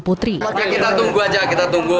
kita tunggu aja kita tunggu